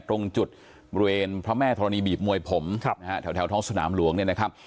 ตรงจุดบริเวณพระแม่ธรณีบีบมวยผมนะฮะแถวท้องสนามหลวงเนี่ยนะครับ